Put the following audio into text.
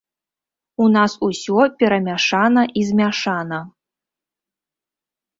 У нас усё перамяшана і змяшана.